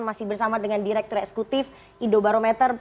masih bersama dengan direktur eksekutif indobarometer